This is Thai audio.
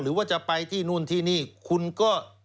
หรือว่าจะไปที่นู่นที่นี่คุณก็